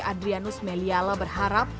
adrianus meliala berharap